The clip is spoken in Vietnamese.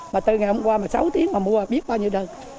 mà từ ngày hôm qua mà sáu tiếng mà mua biết bao nhiêu đơn